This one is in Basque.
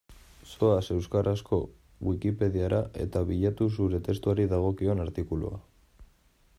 Zoaz euskarazko Wikipediara eta bilatu zure testuari dagokion artikulua.